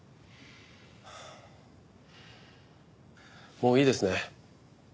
もういいですね？